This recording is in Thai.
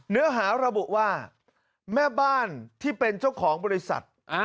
เนื้อหาระบุว่าแม่บ้านที่เป็นเจ้าของบริษัท